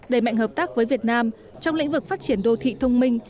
đẩy mạnh hợp tác với việt nam trong lĩnh vực phát triển đô thị thông minh